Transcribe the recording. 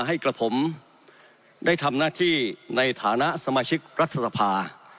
ให้กับผมได้ทำหน้าที่ในฐานะสมาชิกรัฐสภา